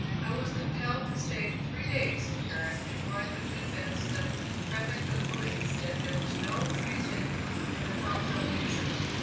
I was compelled to stay three days in Paris before I could convince the Prefect of Police that there was no treason in the Tom Thumb pictures.